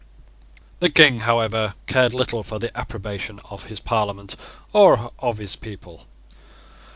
The King, however, cared little for the approbation of his Parliament or of his people.